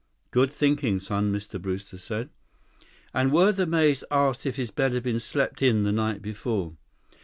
"Good thinking, son," Mr. Brewster said. "And were the maids asked if his bed had been slept in the night before?"